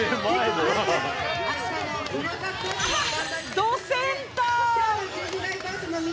どセンター！